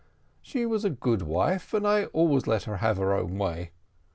She was a good wife, and I always let her have her own way.